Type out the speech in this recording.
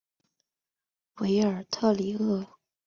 韦尔特里厄。